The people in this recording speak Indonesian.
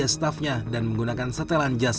staffnya dan menggunakan setelan jas